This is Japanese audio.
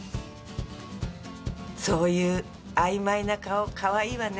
そういうあいまいな顔かわいいわね